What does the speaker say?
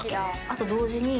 あと同時に。